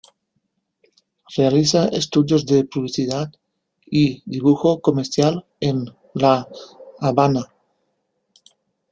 Realiza estudios de publicidad y dibujo comercial en La Habana.